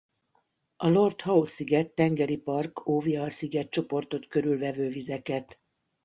A Lord Howe-sziget Tengeri Park óvja a szigetcsoportot körülvevő vizeket.